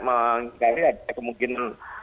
mengingatnya ada kemungkinan